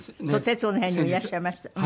『徹子の部屋』にもいらっしゃいました。